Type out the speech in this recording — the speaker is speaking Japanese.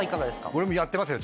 俺もやってますよ